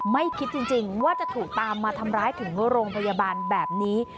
ไม่คิดจริงว่าจะถูกตามมาทำร้ายถึงโรงพยาบาลแบบนี้